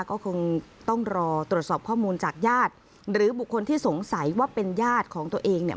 ก็คงต้องรอตรวจสอบข้อมูลจากญาติหรือบุคคลที่สงสัยว่าเป็นญาติของตัวเองเนี่ย